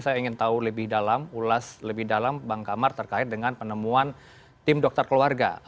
saya ingin tahu lebih dalam ulas lebih dalam bang kamar terkait dengan penemuan tim dokter keluarga